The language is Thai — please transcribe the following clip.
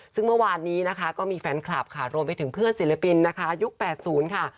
ซึ่งเมื่อวานนี้นะคะก็มีแฟนคลับค่ะรวมไปถึงเพื่อนศิลปินนะคะยุค๘๐ค่ะ